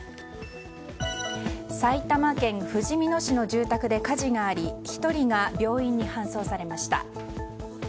埼玉県ふじみ野市の住宅で火事があり１人が病院に搬送されました。